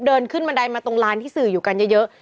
เดินขึ้นบันไดมาตรงลานที่สื่ออยู่กันเยอะ